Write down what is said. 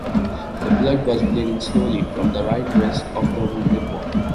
The blood was bleeding slowly from the right breast of the wounded one.